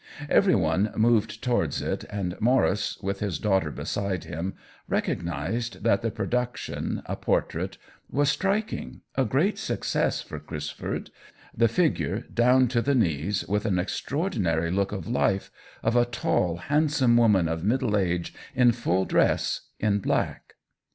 Every one moved towards it, and Maurice, with his daughter beside him, recognized that the production, a por trait, was striking, a great success for Cris ford — the figure, down to the knees, with an extraordinary look of life, of a tall, hand some woman of middle age, in full dress, in black.